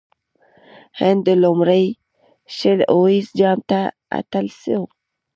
هند د لومړي شل اووريز جام اتل سو.